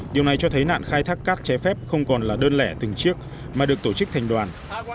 điều này cho thấy nạn khai thác cát trái phép không còn là đơn lẻ từng chiếc mà được tổ chức thành đoàn